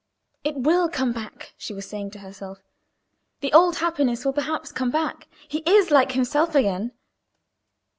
"It will come back," she was saying to herself, "the old happiness will perhaps come back. He is like himself again."